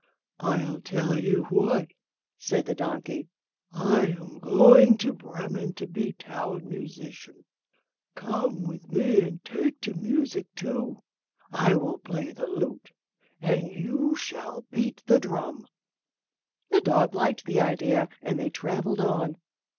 "I'll tell you what," said the donkey, "I am going to Bremen to be Town Musician; come with me and take to music too. I will play the lute, and you shall beat the drum." The dog liked the idea, and they travelled on.